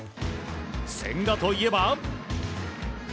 千賀といえば。